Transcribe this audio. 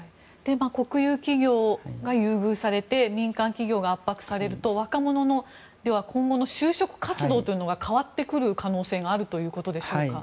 国有企業が優遇されて民間企業が圧迫されると若者の今後の就職活動というのが変わってくる可能性があるということでしょうか。